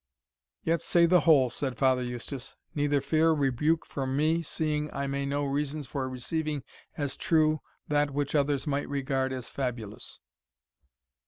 "Yet say the whole," said Father Eustace; "neither fear rebuke from me, seeing I may know reasons for receiving as true that which others might regard as fabulous."